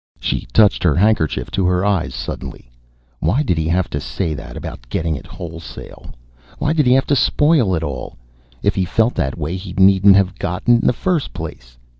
She touched her handkerchief to her eyes suddenly. Why did he have to say that, about getting it wholesale? Why did he have to spoil it all? If he felt that way he needn't have got it in the first place.